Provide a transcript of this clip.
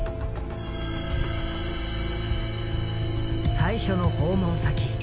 最初の訪問先